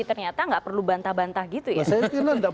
ternyata nggak perlu bantah bantah gitu ya